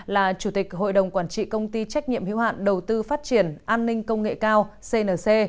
là chủ tịch hội đồng quản trị công ty trách nhiệm hiếu hạn đầu tư phát triển an ninh công nghệ cao cnc